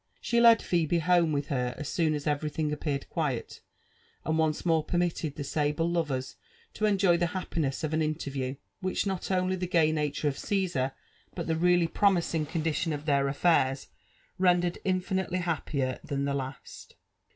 She led Phebe home with her as soon as everything appeared quiet, and once more permitted the sable lovers to enjoy the happiness of an interview^ which not only the gay nature of Ciesar, but the really promising condition of fheir afihirs, rendered inGnitely happier than the last.